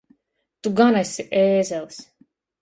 Tu gan esi ēzelis!